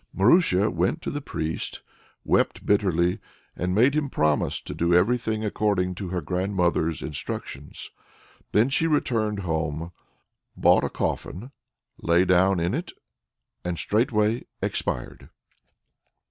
Marusia went to the priest, wept bitterly, and made him promise to do everything according to her grandmother's instructions. Then she returned home, bought a coffin, lay down in it, and straightway expired.